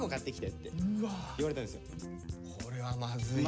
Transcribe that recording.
これはまずいよ。